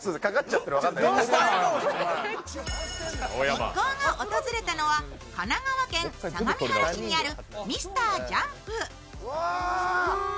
一行が訪れたのは神奈川県相模原市にあるＭｒ．ＪＵＭＰ。